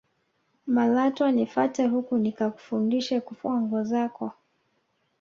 malatwa nifate huku nikakufundishe kufua nguo zako